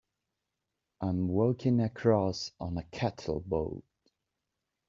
I'm working across on a cattle boat.